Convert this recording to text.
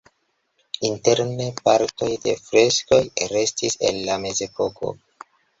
Interne partoj de freskoj restis el la mezepoko.